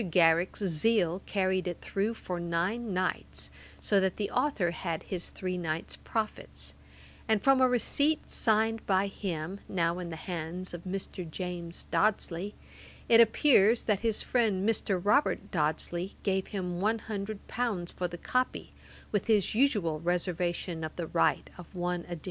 Garrick's zeal carried it through for nine nights, so that the authour had his three nights' profits; and from a receipt signed by him, now in the hands of Mr. James Dodsley, it appears that his friend Mr. Robert Dodsley gave him one hundred pounds for the copy, with his usual reservation of the right of one edition.